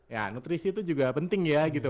ya nutrisi itu juga penting ya gitu